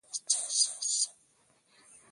په ټولو توکو کې د یو متخصص کار نغښتی دی